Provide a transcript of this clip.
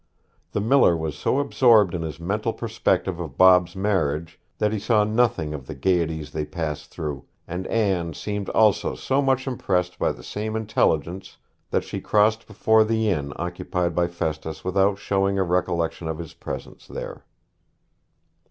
The miller was so absorbed in his mental perspective of Bob's marriage, that he saw nothing of the gaieties they passed through; and Anne seemed also so much impressed by the same intelligence, that she crossed before the inn occupied by Festus without showing a recollection of his presence there.